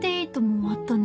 終わったね。